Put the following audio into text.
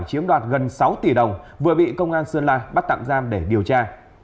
chiếm đoạt gần sáu tỷ đồng vừa bị công an sơn la bắt tạm giam để điều tra